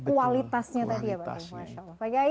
kualitasnya tadi ya